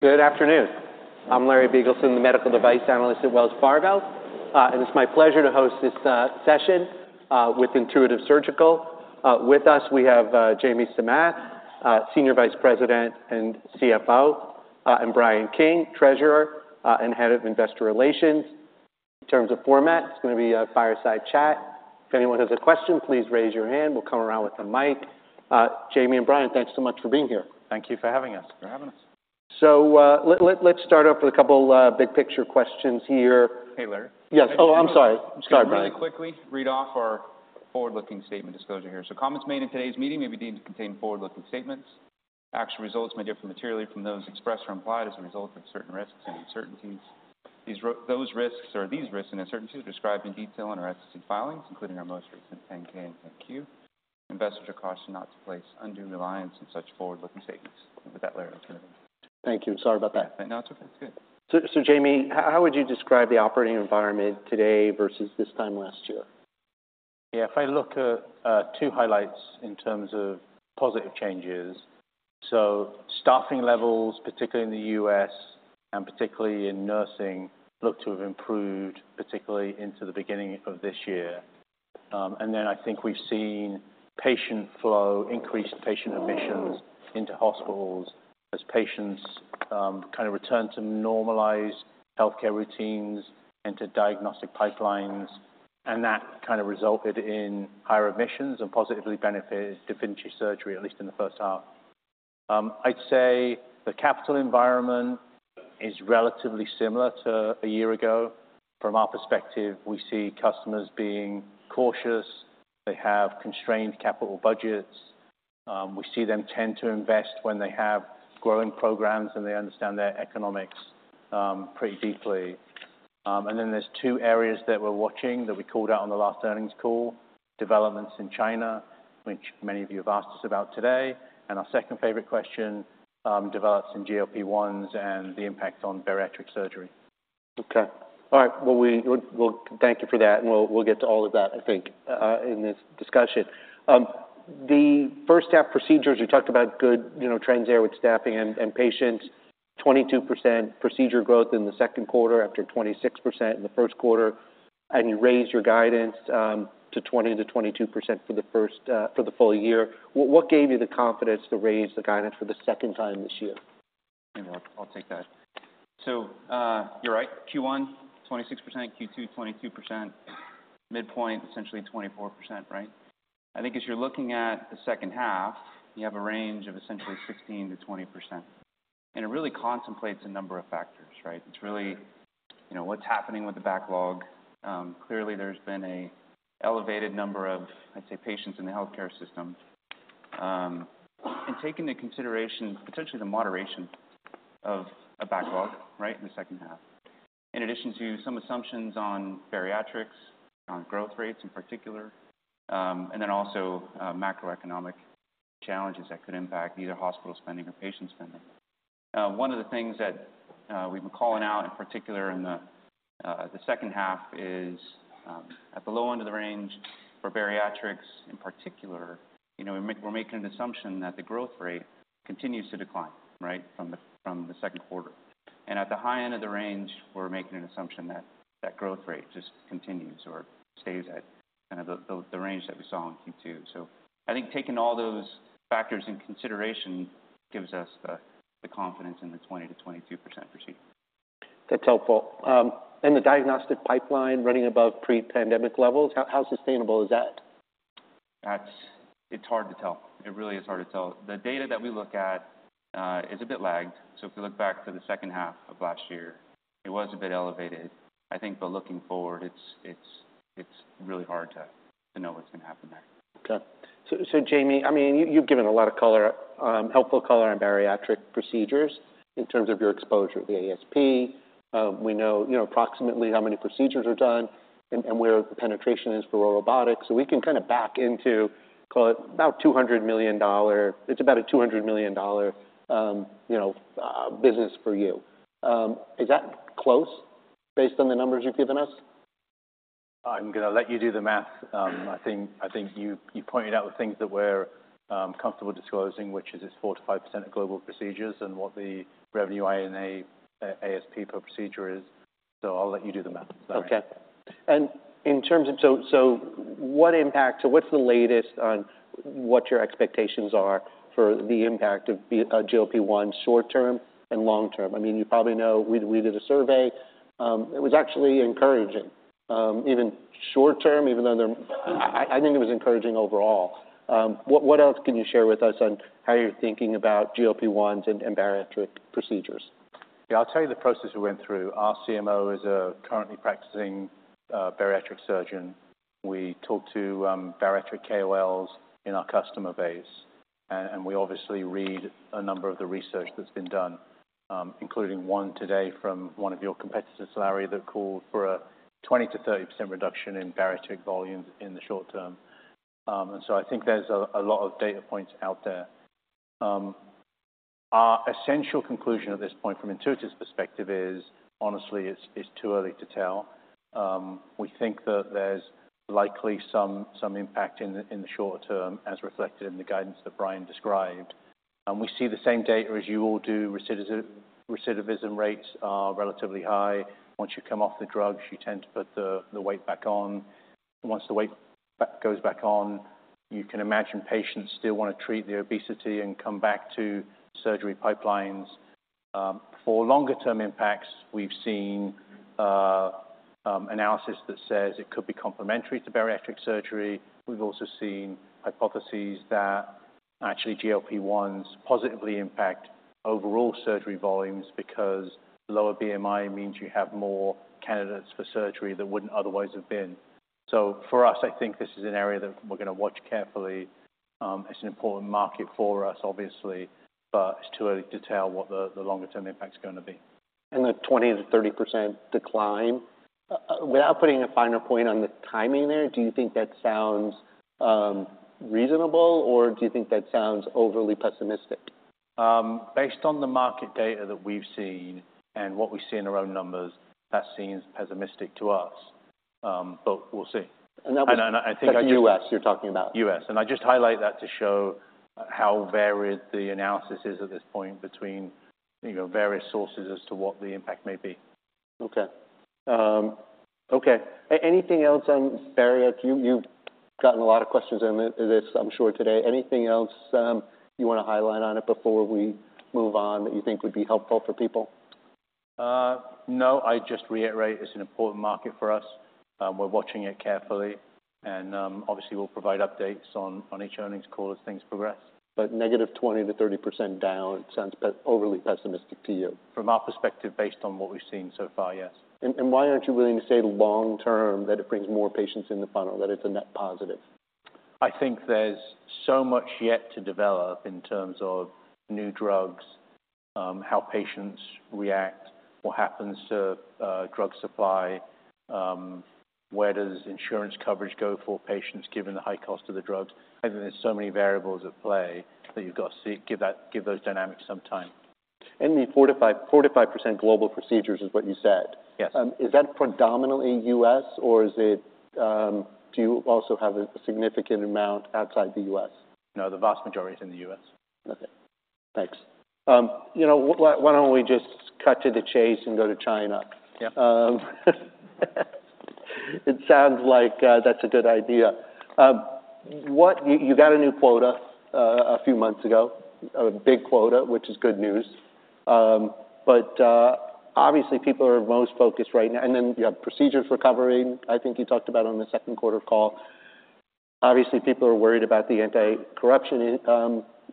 Good afternoon. I'm Larry Biegelsen, the Medical Device Analyst at Wells Fargo. It's my pleasure to host this session with Intuitive Surgical. With us, we have Jamie Samath, Senior Vice President and CFO, and Brian King, Treasurer and Head of Investor Relations. In terms of format, it's going to be a fireside chat. If anyone has a question, please raise your hand. We'll come around with the mic. Jamie and Brian, thanks so much for being here. Thank you for having us. For having us. Let's start off with a couple of big-picture questions here. Hey, Larry? Yes. Oh, I'm sorry. Sorry, Brian. Really quickly read off our forward-looking statement disclosure here. So comments made in today's meeting may be deemed to contain forward-looking statements. Actual results may differ materially from those expressed or implied as a result of certain risks and uncertainties. These risks and uncertainties are described in detail in our SEC filings, including our most recent 10-K and 10-Q. Investors are cautioned not to place undue reliance on such forward-looking statements. With that, Larry, I'll turn it over to you. Thank you. Sorry about that. Yeah. No, it's okay. It's good. So, Jamie, how would you describe the operating environment today versus this time last year? Yeah, if I look at two highlights in terms of positive changes. So staffing levels, particularly in the U.S. and particularly in nursing, look to have improved, particularly into the beginning of this year. And then I think we've seen patient flow, increased patient admissions into hospitals as patients kind of return to normalized healthcare routines, into diagnostic pipelines, and that kind of resulted in higher admissions and positively benefits da Vinci surgery, at least in the first half. I'd say the capital environment is relatively similar to a year ago. From our perspective, we see customers being cautious. They have constrained capital budgets. We see them tend to invest when they have growing programs, and they understand their economics pretty deeply. And then there are two areas that we're watching that we called out on the last earnings call, developments in China, which many of you have asked us about today, and our second favorite question, developments in GLP-1s and the impact on bariatric surgery. Okay. All right. Well, we'll thank you for that, and we'll get to all of that, I think, in this discussion. The first half procedures, you talked about good, you know, trends there with staffing and patients. 22% procedure growth in the second quarter, after 26% in the first quarter, and you raised your guidance to 20%-22% for the first, for the full year. What gave you the confidence to raise the guidance for the second time this year? You know what? I'll take that. So, you're right, Q1, 26%, Q2, 22%. Midpoint, essentially 24%, right? I think as you're looking at the second half, you have a range of essentially 16%-20%, and it really contemplates a number of factors, right? It's really, you know, what's happening with the backlog. Clearly, there's been an elevated number of, I'd say, patients in the healthcare system. And taking into consideration, potentially the moderation of a backlog, right, in the second half. In addition to some assumptions on bariatrics, on growth rates in particular, and then also, macroeconomic challenges that could impact either hospital spending or patient spending. One of the things that we've been calling out, in particular in the second half, is at the low end of the range for bariatrics in particular, you know, we're making an assumption that the growth rate continues to decline, right, from the second quarter. At the high end of the range, we're making an assumption that that growth rate just continues or stays at kind of the range that we saw in Q2. I think taking all those factors into consideration gives us the confidence in the 20%-22% procedure. That's helpful. And the diagnostic pipeline running above pre-pandemic levels, how, how sustainable is that? That's... It's hard to tell. It really is hard to tell. The data that we look at is a bit lagged. So if we look back to the second half of last year, it was a bit elevated. I think, but looking forward, it's really hard to know what's going to happen there. Okay. So, Jamie, I mean, you've given a lot of color, helpful color on bariatric procedures in terms of your exposure to the ASP. We know, you know, approximately how many procedures are done and where the penetration is for robotics. So we can kind of back into, call it, about $200 million, it's about a $200 million, you know, business for you. Is that close, based on the numbers you've given us? I'm going to let you do the math. I think you pointed out the things that we're comfortable disclosing, which is it's 4%-5% of global procedures and what the revenue I&A, ASP per procedure is. So I'll let you do the math. Sorry. Okay. And in terms of, what impact, so what's the latest on what your expectations are for the impact of the GLP-1s short term and long term? I mean, you probably know, we did a survey. It was actually encouraging, even short term, even though I think it was encouraging overall. What else can you share with us on how you're thinking about GLP-1s and bariatric procedures? Yeah, I'll tell you the process we went through. Our CMO is a currently practicing bariatric surgeon. We talked to bariatric KOLs in our customer base, and we obviously read a number of the research that's been done, including one today from one of your competitors, Larry. That called for a 20%-30% reduction in bariatric volumes in the short term. And so I think there's a lot of data points out there. Our essential conclusion at this point from Intuitive's perspective is, honestly, it's too early to tell. We think that there's likely some impact in the short term, as reflected in the guidance that Brian described.... And we see the same data as you all do. Recidivism, recidivism rates are relatively high. Once you come off the drugs, you tend to put the weight back on. Once the weight goes back on, you can imagine patients still want to treat their obesity and come back to surgery pipelines. For longer-term impacts, we've seen analysis that says it could be complementary to bariatric surgery. We've also seen hypotheses that actually GLP-1s positively impact overall surgery volumes because lower BMI means you have more candidates for surgery that wouldn't otherwise have been. So for us, I think this is an area that we're going to watch carefully. It's an important market for us, obviously, but it's too early to tell what the longer-term impact is going to be. The 20%-30% decline, without putting a finer point on the timing there, do you think that sounds reasonable, or do you think that sounds overly pessimistic? Based on the market data that we've seen and what we see in our own numbers, that seems pessimistic to us. But we'll see. And that was- I think- That's U.S. you're talking about? U.S., and I just highlight that to show how varied the analysis is at this point between, you know, various sources as to what the impact may be. Okay. Okay. Anything else on bariatric? You, you've gotten a lot of questions on this, I'm sure, today. Anything else, you want to highlight on it before we move on, that you think would be helpful for people? No. I just reiterate it's an important market for us. We're watching it carefully, and, obviously, we'll provide updates on each earnings call as things progress. But -20% to 30% down sounds overly pessimistic to you? From our perspective, based on what we've seen so far, yes. And why aren't you willing to say long term that it brings more patients in the funnel, that it's a net positive? I think there's so much yet to develop in terms of new drugs, how patients react, what happens to drug supply, where does insurance coverage go for patients, given the high cost of the drugs? I think there's so many variables at play that you've got to see. Give those dynamics some time. The 45%, 45% global procedures is what you said. Yes. Is that predominantly U.S., or is it, do you also have a significant amount outside the U.S.? No, the vast majority is in the U.S. Okay, thanks. You know, why don't we just cut to the chase and go to China? Yeah. It sounds like that's a good idea. You got a new quota a few months ago, a big quota, which is good news. But obviously, people are most focused right now, and then you have procedures recovering. I think you talked about on the second quarter call. Obviously, people are worried about the anti-corruption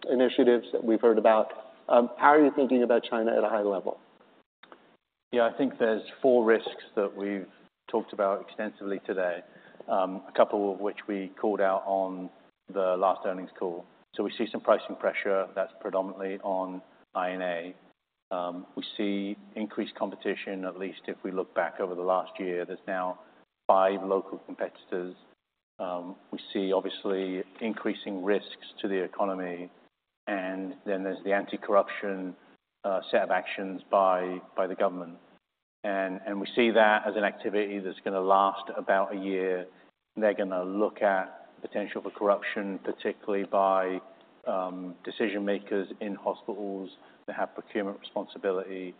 initiatives that we've heard about. How are you thinking about China at a high level? Yeah, I think there's four risks that we've talked about extensively today, a couple of which we called out on the last earnings call. So we see some pricing pressure that's predominantly on Ion. We see increased competition, at least if we look back over the last year. There's now five local competitors. We see obviously increasing risks to the economy, and then there's the anti-corruption set of actions by the government. We see that as an activity that's going to last about a year. They're going to look at potential for corruption, particularly by decision-makers in hospitals that have procurement responsibility.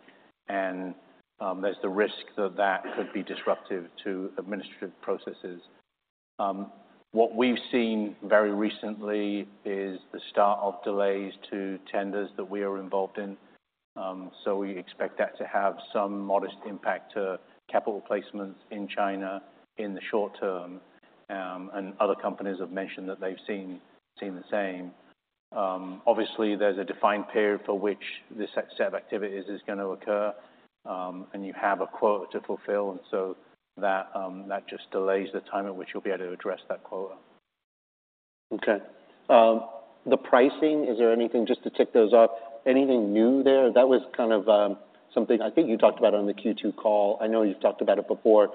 There's the risk that that could be disruptive to administrative processes. What we've seen very recently is the start of delays to tenders that we are involved in. So we expect that to have some modest impact to capital placements in China in the short term, and other companies have mentioned that they've seen the same. Obviously, there's a defined period for which this set of activities is going to occur, and you have a quota to fulfill, and so that just delays the time at which you'll be able to address that quota. Okay. The pricing, is there anything, just to tick those off, anything new there? That was kind of, something I think you talked about on the Q2 call. I know you've talked about it before.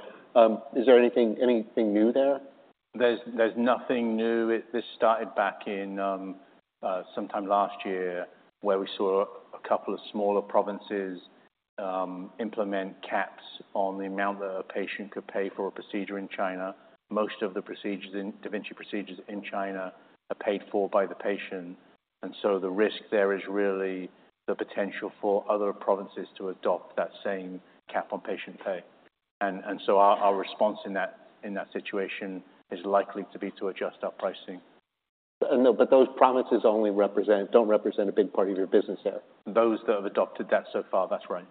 Is there anything, anything new there? There's nothing new. This started back in sometime last year, where we saw a couple of smaller provinces implement caps on the amount that a patient could pay for a procedure in China. Most of the da Vinci procedures in China are paid for by the patient, and so the risk there is really the potential for other provinces to adopt that same cap on patient pay. And so our response in that situation is likely to be to adjust our pricing. No, but those provinces only represent, don't represent a big part of your business there. Those that have adopted that so far, that's right.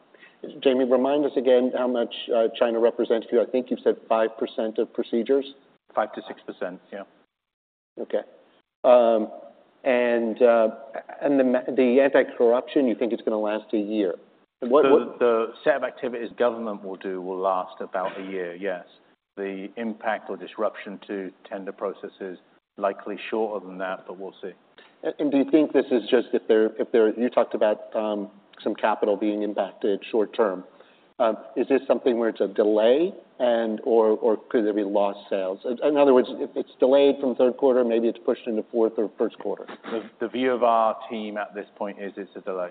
Jamie, remind us again how much, China represents to you. I think you've said 5% of procedures? 5%-6%, yeah. Okay. And the anti-corruption, you think it's going to last a year? What, what- The set of activities government will do will last about a year, yes. The impact or disruption to tender processes, likely shorter than that, but we'll see. Do you think this is just if there? You talked about some capital being impacted short term. Is this something where it's a delay and/or could there be lost sales? In other words, if it's delayed from third quarter, maybe it's pushed into fourth or first quarter. The view of our team at this point is it's a delay.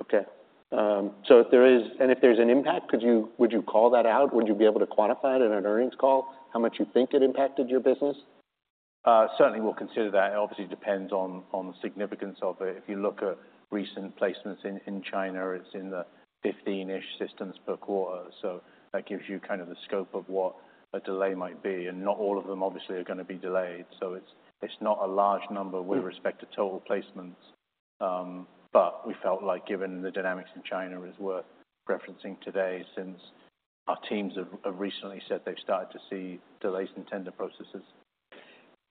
Okay. So if there is, and if there's an impact, could you, would you call that out? Would you be able to quantify it in an earnings call, how much you think it impacted your business? Certainly, we'll consider that. It obviously depends on, on the significance of it. If you look at recent placements in, in China, it's in the 15%-ish systems per quarter. So that gives you kind of the scope of what a delay might be, and not all of them obviously are going to be delayed. So it's, it's not a large number with respect to total placements, but we felt like given the dynamics in China, it was worth referencing today since our teams have, have recently said they've started to see delays in tender processes.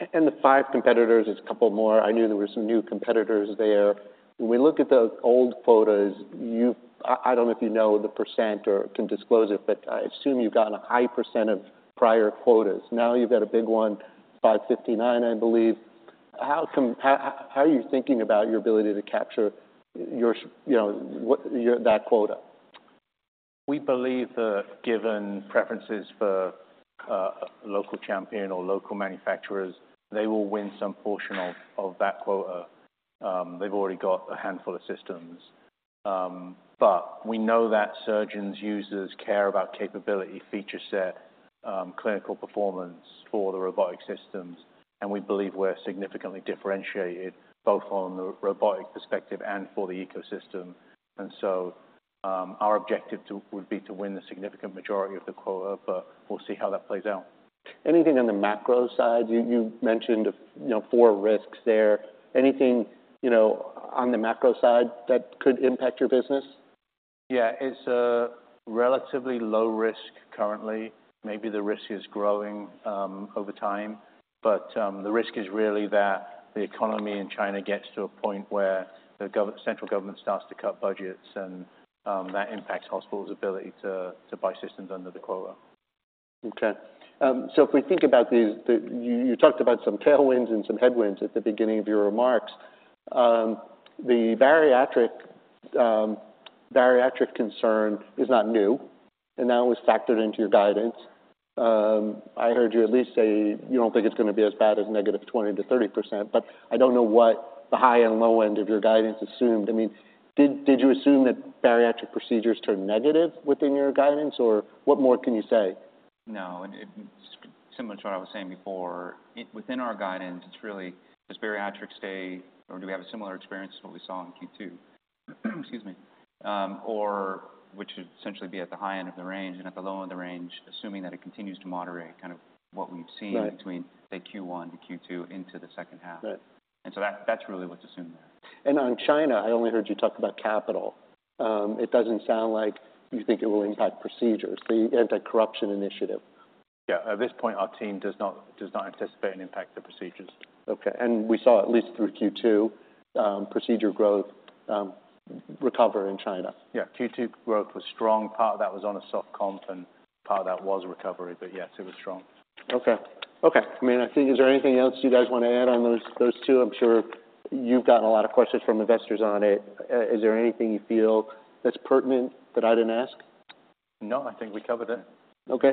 The five competitors, there's a couple more. I knew there were some new competitors there. When we look at the old quotas, you—I, I don't know if you know the percent or can disclose it, but I assume you've gotten a high percent of prior quotas. Now you've got a big one, 559%, I believe. How—how are you thinking about your ability to capture your, you know, what, your, that quota? We believe that given preferences for local champion or local manufacturers, they will win some portion of that quota. They've already got a handful of systems. But we know that surgeons, users care about capability, feature set, clinical performance for the robotic systems, and we believe we're significantly differentiated both on the robotic perspective and for the ecosystem. And so, our objective would be to win the significant majority of the quota, but we'll see how that plays out. Anything on the macro side? You mentioned, you know, four risks there. Anything, you know, on the macro side that could impact your business? Yeah. It's a relatively low risk currently. Maybe the risk is growing over time, but the risk is really that the economy in China gets to a point where the central government starts to cut budgets, and that impacts hospitals' ability to buy systems under the quota. Okay. So if we think about these, you talked about some tailwinds and some headwinds at the beginning of your remarks. The bariatric concern is not new, and that was factored into your guidance. I heard you at least say you don't think it's going to be as bad as negative 20%-30%, but I don't know what the high and low end of your guidance assumed. I mean, did you assume that bariatric procedures turned negative within your guidance, or what more can you say? No, it's similar to what I was saying before, within our guidance, it's really does bariatrics stay, or do we have a similar experience to what we saw in Q2? Excuse me. Or which would essentially be at the high end of the range and at the low end of the range, assuming that it continues to moderate, kind of what we've seen... Right.... between, say, Q1 to Q2 into the second half. Right. And so that, that's really what's assumed there. On China, I only heard you talk about capital. It doesn't sound like you think it will impact procedures, the anti-corruption initiative. Yeah. At this point, our team does not, does not anticipate an impact to procedures. Okay. We saw, at least through Q2, procedure growth recover in China. Yeah. Q2 growth was strong. Part of that was on a soft comp, and part of that was recovery. But yes, it was strong. Okay. Okay. I mean, I think, is there anything else you guys want to add on those, those two? I'm sure you've gotten a lot of questions from investors on it. Is there anything you feel that's pertinent that I didn't ask? No, I think we covered it. Okay.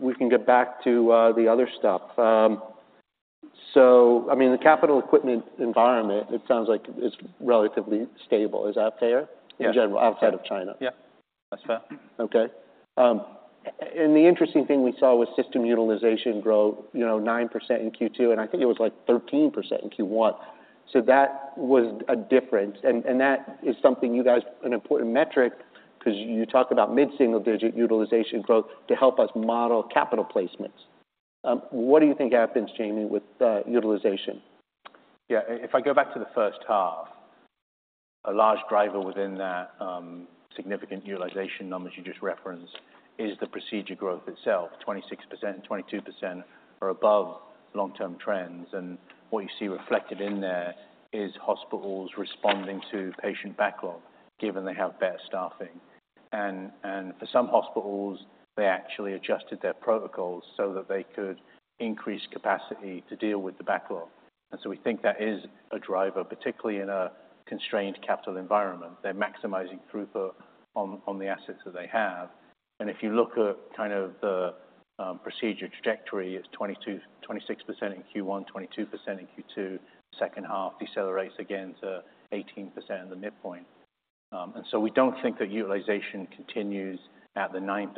We can get back to the other stuff. So I mean, the capital equipment environment, it sounds like it's relatively stable. Is that fair? Yeah. In general, outside of China. Yeah, that's fair. Okay. And the interesting thing we saw was system utilization growth, you know, 9% in Q2, and I think it was like 13% in Q1. So that was a difference. And that is something you guys... an important metric because you talk about mid-single digit utilization growth to help us model capital placements. What do you think happens, Jamie, with utilization? Yeah. If I go back to the first half, a large driver within that, significant utilization numbers you just referenced is the procedure growth itself. 26% and 22% are above long-term trends, and what you see reflected in there is hospitals responding to patient backlog, given they have better staffing. And for some hospitals, they actually adjusted their protocols so that they could increase capacity to deal with the backlog. And so we think that is a driver, particularly in a constrained capital environment. They're maximizing throughput on the assets that they have. And if you look at kind of the procedure trajectory, it's 22%, 26% in Q1, 22% in Q2. Second half decelerates again to 18% in the midpoint. And so we don't think that utilization continues at the 9%,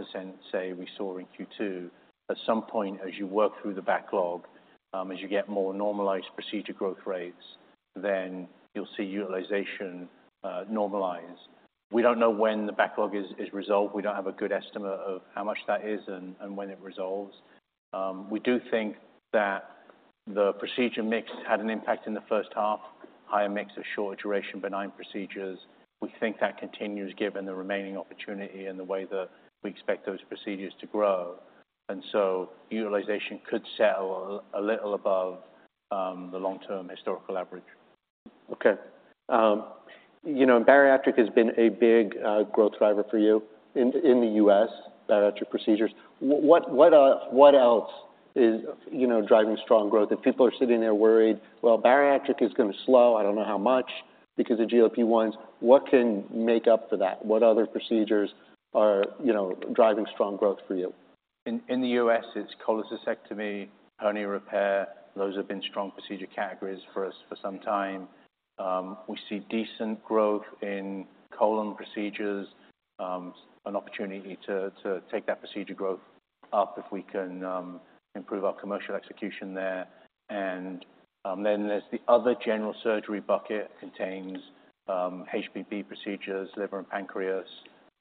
say, we saw in Q2. At some point, as you work through the backlog, as you get more normalized procedure growth rates, then you'll see utilization normalize. We don't know when the backlog is resolved. We don't have a good estimate of how much that is and when it resolves. We do think that the procedure mix had an impact in the first half, higher mix of short-duration, benign procedures. We think that continues, given the remaining opportunity and the way that we expect those procedures to grow. And so utilization could settle a little above the long-term historical average. Okay. You know, bariatric has been a big growth driver for you in the U.S., bariatric procedures. What else is, you know, driving strong growth? If people are sitting there worried, well, bariatric is going to slow, I don't know how much, because of GLP-1s. What can make up for that? What other procedures are, you know, driving strong growth for you? In the U.S., it's cholecystectomy, hernia repair. Those have been strong procedure categories for us for some time. We see decent growth in colon procedures, an opportunity to take that procedure growth up if we can improve our commercial execution there. And then there's the other general surgery bucket contains HPB procedures, liver and pancreas,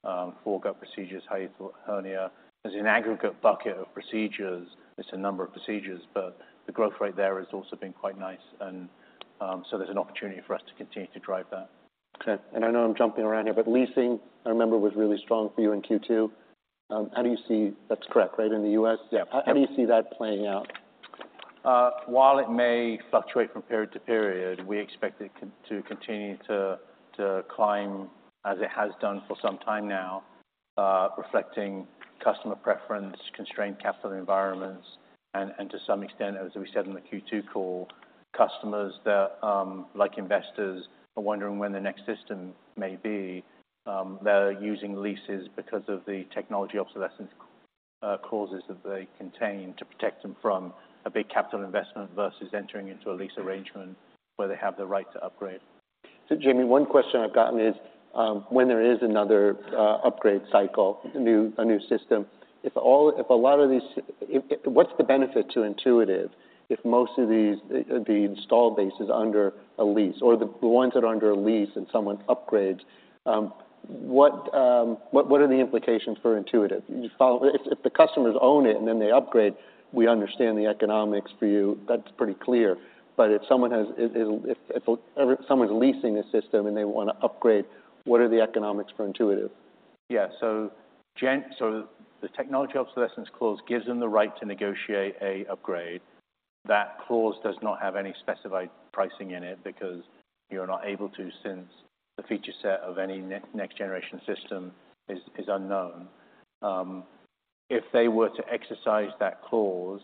foregut procedures, hiatal hernia. As an aggregate bucket of procedures, it's a number of procedures, but the growth rate there has also been quite nice, and so there's an opportunity for us to continue to drive that. Okay. And I know I'm jumping around here, but leasing, I remember, was really strong for you in Q2. How do you see? That's correct, right, in the US? Yeah. Yeah. How do you see that playing out? While it may fluctuate from period to period, we expect it to continue to climb as it has done for some time now, reflecting customer preference, constrained capital environments, and to some extent, as we said in the Q2 call, customers that, like investors, are wondering when the next system may be. They're using leases because of the technology obsolescence clauses that they contain to protect them from a big capital investment versus entering into a lease arrangement where they have the right to upgrade. So Jamie, one question I've gotten is, when there is another upgrade cycle, a new system, if a lot of these. If, what's the benefit to Intuitive if most of these, the installed base is under a lease, or the ones that are under a lease and someone upgrades, what are the implications for Intuitive? You follow? If the customers own it and then they upgrade, we understand the economics for you, that's pretty clear. But if someone has, if someone's leasing a system and they want to upgrade, what are the economics for Intuitive? Yeah. So the technology obsolescence clause gives them the right to negotiate an upgrade. That clause does not have any specified pricing in it because you're not able to, since the feature set of any next-generation system is unknown. If they were to exercise that clause,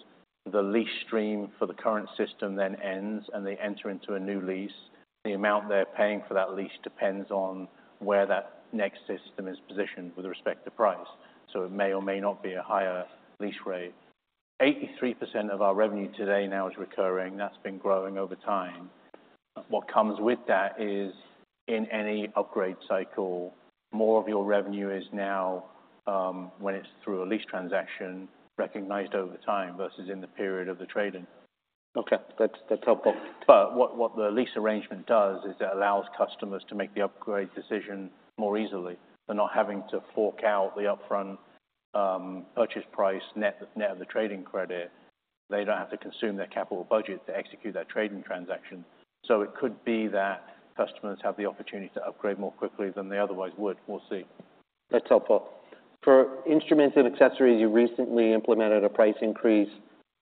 the lease stream for the current system then ends, and they enter into a new lease. The amount they're paying for that lease depends on where that next system is positioned with respect to price, so it may or may not be a higher lease rate. 83% of our revenue today now is recurring. That's been growing over time. What comes with that is, in any upgrade cycle, more of your revenue is now, when it's through a lease transaction, recognized over time versus in the period of the trade-in. Okay. That's, that's helpful. But what the lease arrangement does is it allows customers to make the upgrade decision more easily. They're not having to fork out the upfront purchase price, net net of the trade-in credit. They don't have to consume their capital budget to execute that trade-in transaction. So it could be that customers have the opportunity to upgrade more quickly than they otherwise would. We'll see. That's helpful. For instruments and accessories, you recently implemented a price increase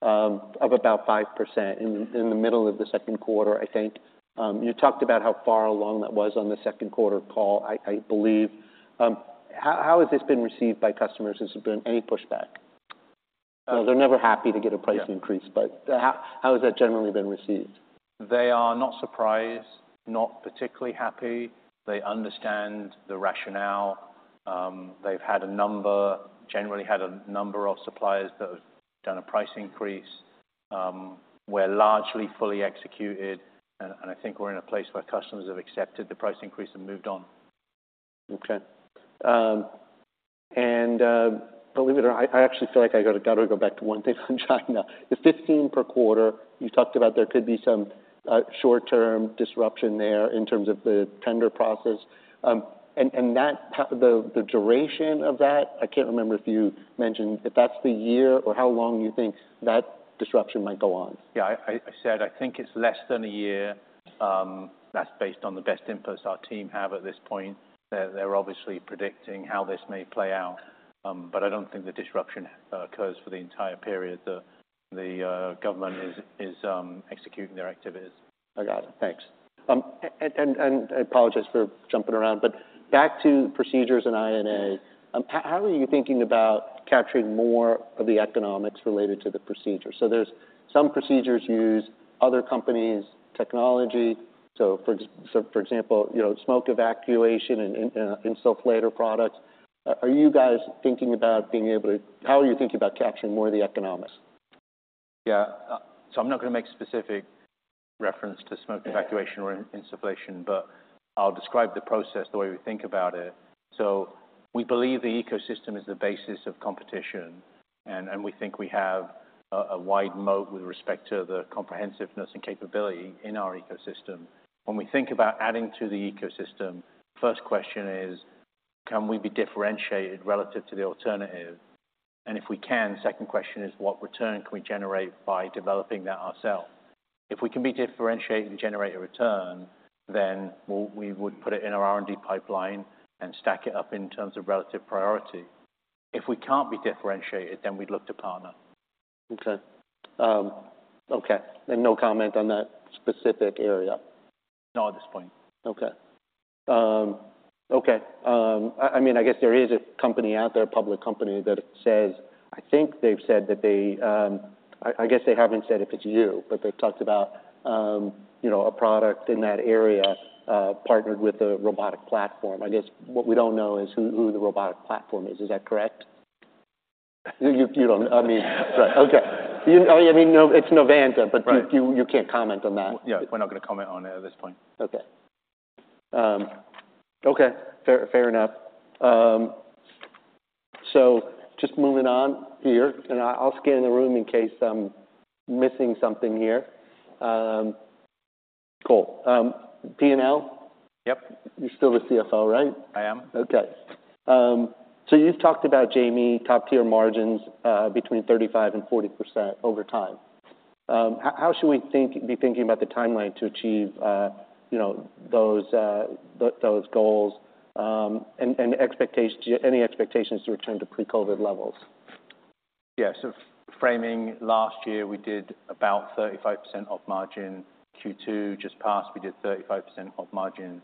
of about 5% in the middle of the second quarter, I think. You talked about how far along that was on the second quarter call, I believe. How has this been received by customers? Has there been any pushback? They're never happy to get a price increase. Yeah. But how has that generally been received? They are not surprised, not particularly happy. They understand the rationale. They've had a number, generally had a number of suppliers that have done a price increase. We're largely fully executed, and I think we're in a place where customers have accepted the price increase and moved on. Okay. And believe it or not, I actually feel like I gotta go back to one thing on China. The 15% per quarter, you talked about there could be some short-term disruption there in terms of the tender process. And the duration of that, I can't remember if you mentioned if that's the year or how long you think that disruption might go on. Yeah, I said I think it's less than a year. That's based on the best inputs our team have at this point. They're obviously predicting how this may play out, but I don't think the disruption occurs for the entire period the government is executing their activities. I got it. Thanks. I apologize for jumping around, but back to procedures and INA. How are you thinking about capturing more of the economics related to the procedure? So there's some procedures use other companies' technology, so for example, you know, smoke evacuation and insufflator products. Are you guys thinking about being able to... How are you thinking about capturing more of the economics? Yeah, so I'm not gonna make specific reference to smoke evacuation or insufflation, but I'll describe the process, the way we think about it. So we believe the ecosystem is the basis of competition, and we think we have a wide moat with respect to the comprehensiveness and capability in our ecosystem. When we think about adding to the ecosystem, first question is: Can we be differentiated relative to the alternative? And if we can, second question is: What return can we generate by developing that ourselves? If we can be differentiated and generate a return, then we'll... we would put it in our R&D pipeline and stack it up in terms of relative priority. If we can't be differentiated, then we'd look to partner. Okay. Okay, and no comment on that specific area? Not at this point. Okay. Okay. I mean, I guess there is a company out there, a public company, that says, I think they've said that they... I guess they haven't said if it's you, but they've talked about, you know, a product in that area, partnered with a robotic platform. I guess what we don't know is who the robotic platform is. Is that correct? You don't. I mean, okay. You mean, no, it's Novanta- Right. but you, you can't comment on that. Yeah, we're not gonna comment on it at this point. Okay. Okay, fair, fair enough. So just moving on here, and I, I'll scan the room in case I'm missing something here. Cool. P&L? Yep. You're still the CFO, right? I am. Okay. So you've talked about, Jamie, top-tier margins between 35%-40% over time. How should we be thinking about the timeline to achieve, you know, those goals, and expectations, any expectations to return to pre-COVID levels? Yeah, so framing last year, we did about 35% gross margin. Q2 just passed, we did 35% gross margin,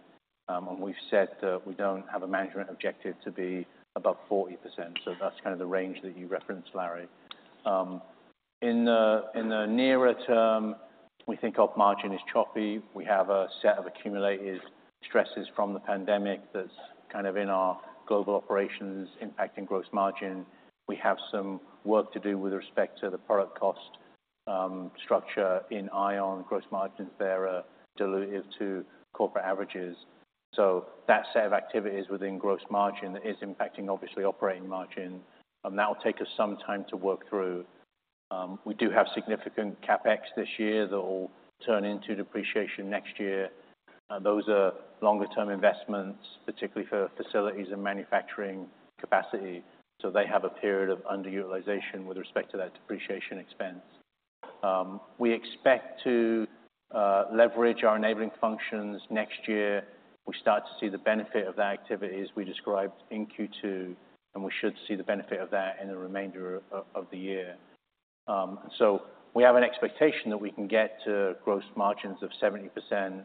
and we've said that we don't have a management objective to be above 40%, so that's kind of the range that you referenced, Larry. In the nearer term, we think gross margin is choppy. We have a set of accumulated stresses from the pandemic that's kind of in our global operations, impacting gross margin. We have some work to do with respect to the product cost structure in Ion. Gross margins there are dilutive to corporate averages. So that set of activities within gross margin is impacting obviously operating margin, and that will take us some time to work through. We do have significant CapEx this year that will turn into depreciation next year. Those are longer-term investments, particularly for facilities and manufacturing capacity, so they have a period of underutilization with respect to that depreciation expense. We expect to leverage our enabling functions next year. We start to see the benefit of the activities we described in Q2, and we should see the benefit of that in the remainder of the year. So we have an expectation that we can get to gross margins of 70%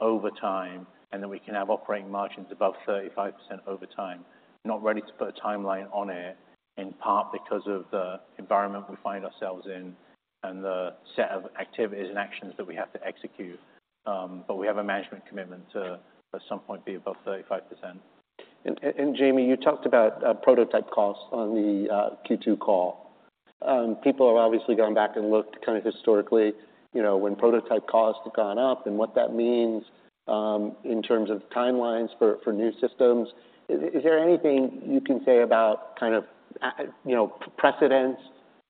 over time, and then we can have operating margins above 35% over time. Not ready to put a timeline on it, in part because of the environment we find ourselves in and the set of activities and actions that we have to execute. But we have a management commitment to, at some point, be above 35%. Jamie, you talked about prototype costs on the Q2 call. People have obviously gone back and looked kind of historically, you know, when prototype costs have gone up and what that means in terms of timelines for new systems. Is there anything you can say about kind of, you know, precedents,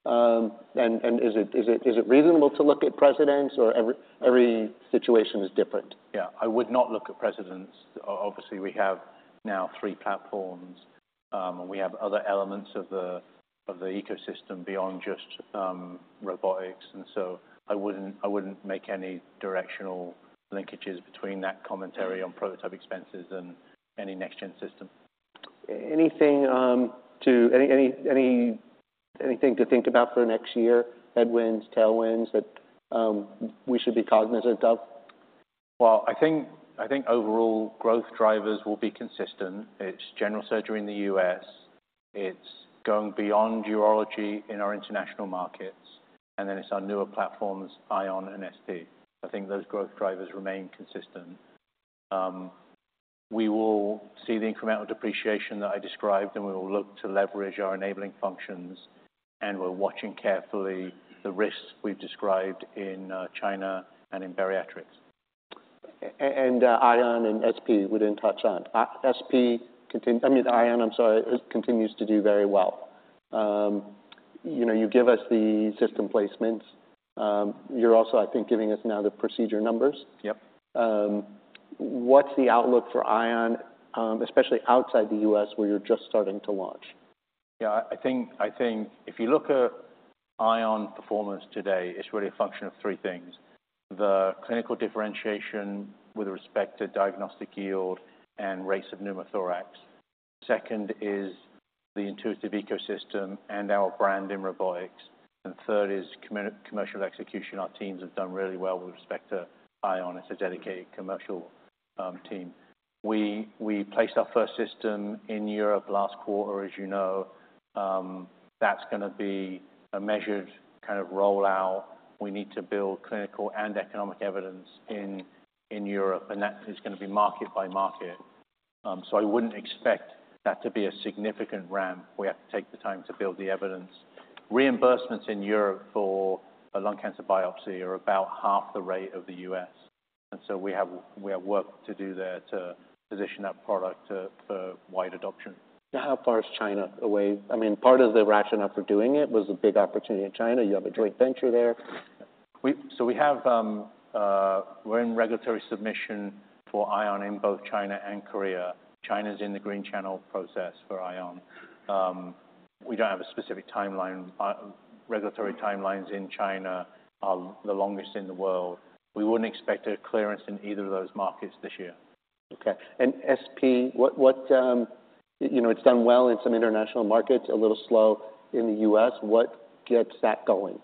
and is it reasonable to look at precedents, or every situation is different? Yeah, I would not look at precedents. Obviously, we have now three platforms, and we have other elements of the ecosystem beyond just robotics, and so I wouldn't make any directional linkages between that commentary on prototype expenses and any next-gen system. Anything to think about for next year, headwinds, tailwinds, that we should be cognizant of? Well, I think, I think overall growth drivers will be consistent. It's general surgery in the U.S., it's going beyond urology in our international markets, and then it's our newer platforms, Ion and SP. I think those growth drivers remain consistent. We will see the incremental depreciation that I described, and we will look to leverage our enabling functions, and we're watching carefully the risks we've described in China and in bariatrics. And, Ion and SP we didn't touch on. SP continue, I mean, Ion, I'm sorry, continues to do very well. You know, you give us the system placements. You're also, I think, giving us now the procedure numbers. Yep. What's the outlook for Ion, especially outside the U.S., where you're just starting to launch? Yeah, I think if you look at Ion performance today, it's really a function of three things, the clinical differentiation with respect to diagnostic yield and rates of pneumothorax. Second is the Intuitive ecosystem and our brand in robotics, and third is commercial execution. Our teams have done really well with respect to Ion. It's a dedicated commercial team. We placed our first system in Europe last quarter, as you know. That's gonna be a measured kind of rollout. We need to build clinical and economic evidence in Europe, and that is gonna be market by market. So I wouldn't expect that to be a significant ramp. We have to take the time to build the evidence. Reimbursements in Europe for a lung cancer biopsy are about half the rate of the U.S., and so we have work to do there to position that product for wide adoption. How far is China away? I mean, part of the rationale for doing it was a big opportunity in China. You have a joint venture there. So we have, we're in regulatory submission for Ion in both China and Korea. China's in the Green Channel process for Ion. We don't have a specific timeline. Regulatory timelines in China are the longest in the world. We wouldn't expect a clearance in either of those markets this year. Okay, and SP, you know, it's done well in some international markets, a little slow in the US. What gets that going?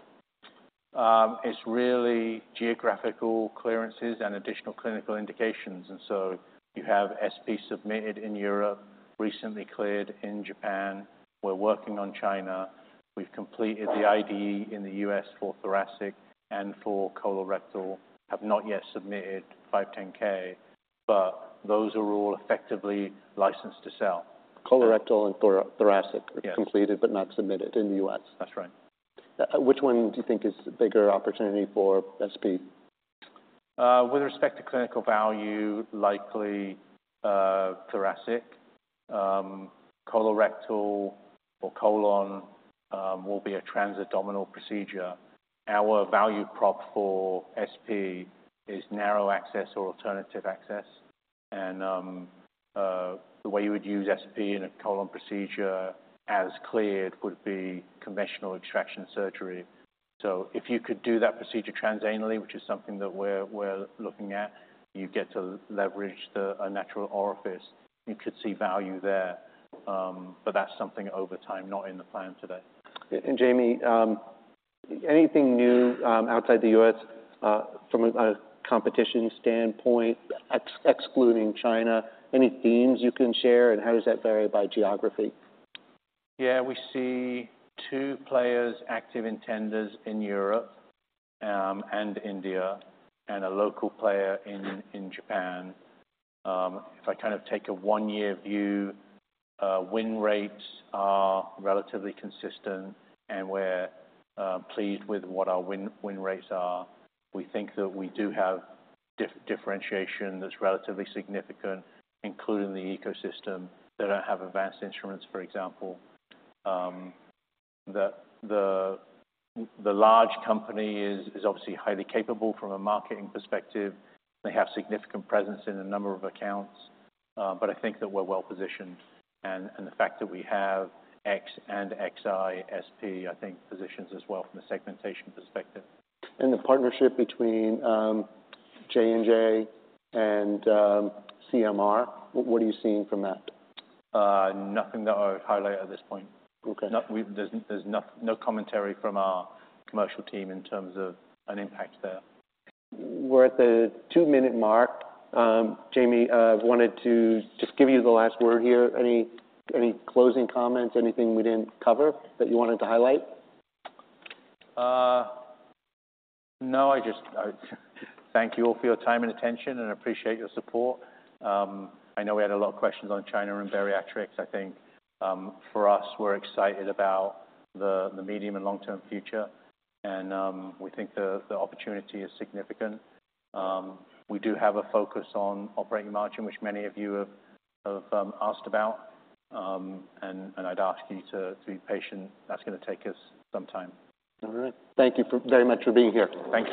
It's really geographical clearances and additional clinical indications. And so you have SP submitted in Europe, recently cleared in Japan. We're working on China. We've completed the IDE in the U.S. for thoracic and for colorectal, have not yet submitted 510(k), but those are all effectively licensed to sell. Colorectal and thoracic... Yes. -completed but not submitted in the U.S.? That's right. Which one do you think is the bigger opportunity for SP? With respect to clinical value, likely, thoracic. Colorectal or colon will be a trans-abdominal procedure. Our value prop for SP is narrow access or alternative access. And, the way you would use SP in a colon procedure as cleared, would be conventional extraction surgery. So if you could do that procedure transanally, which is something that we're looking at, you get to leverage the, a natural orifice. You could see value there, but that's something over time, not in the plan today. Jamie, anything new outside the U.S., from a competition standpoint, excluding China, any themes you can share, and how does that vary by geography? Yeah, we see two players, active intenders in Europe, and India, and a local player in Japan. If I kind of take a one-year view, win rates are relatively consistent, and we're pleased with what our win rates are. We think that we do have differentiation that's relatively significant, including the ecosystem. They don't have advanced instruments, for example. The large company is obviously highly capable from a marketing perspective. They have significant presence in a number of accounts, but I think that we're well positioned, and the fact that we have X and Xi, SP, I think positions us well from a segmentation perspective. The partnership between J&J and CMR, what are you seeing from that? Nothing that I would highlight at this point. Okay. There's no commentary from our commercial team in terms of an impact there. We're at the two-minute mark. Jamie, I wanted to just give you the last word here. Any closing comments? Anything we didn't cover that you wanted to highlight? No. I just thank you all for your time and attention, and appreciate your support. I know we had a lot of questions on China and bariatrics. I think, for us, we're excited about the medium and long-term future, and we think the opportunity is significant. We do have a focus on operating margin, which many of you have asked about. And I'd ask you to be patient. That's going to take us some time. All right. Thank you very much for being here. Thank you.